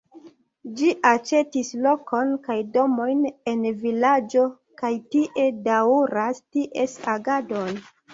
Ĝi aĉetis lokon kaj domojn en vilaĝo kaj tie daŭras ties agadon.